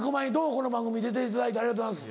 この番組出ていただいてありがとうございます。